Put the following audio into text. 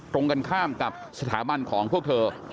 ตรงกันข้ามกับสถาบันของพวกเธอ